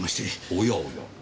おやおや。